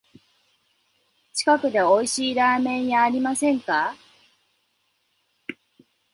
近くでおいしいラーメン屋ありませんか？